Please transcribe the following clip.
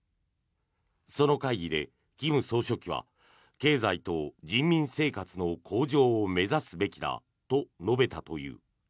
その会議で金総書記は経済と人民生活の向上を目指すべきだと述べたという。